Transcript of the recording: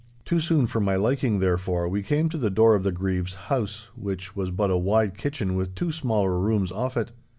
Too soon for my liking, therefore, we came to the door of the Grieve's house, which was but a wide kitchen with two smaller rooms off it.